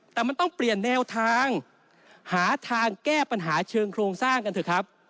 แต่มันต้องเปลี่ยนแนวทางหาทางแก้ปัญหาเชิงโครงสร้างกันเถอะครับ